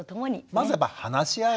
まずはやっぱ話し合う。